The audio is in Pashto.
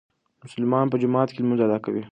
مسلمانان په جومات کې لمونځ ادا کوي.